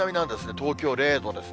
東京０度ですね。